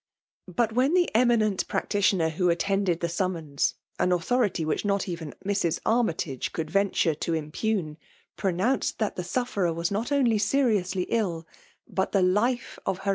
But when the eminent practitiojier who at , tended the summons, an authority whidi mA. even Mrs. Army tage could venture to impugm pronounced that the sufferer was not only seriously ill, but the life of her